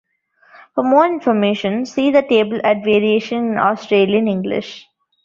For more information, see the table at Variation in Australian English.